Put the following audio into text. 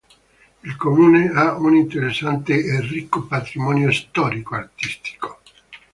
Il comune ha un interessante e ricco patrimonio storico-artistico.